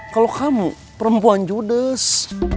kalau kamu perempuan judes